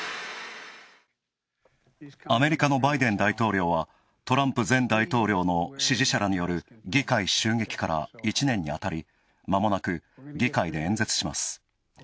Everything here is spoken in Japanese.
アメリカのバイデン大統領はトランプ前大統領の支持者らによる議会襲撃から１年にあたりまもなく、議会で演説します。